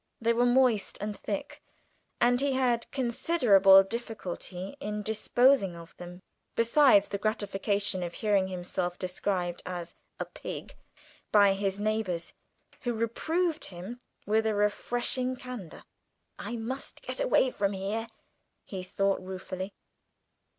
They were moist and thick, and he had considerable difficulty in disposing of them, besides the gratification of hearing himself described as a "pig" by his neighbours, who reproved him with a refreshing candour. "I must get away from here," he thought, ruefully.